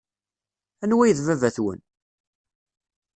Anwa ay d baba-twen?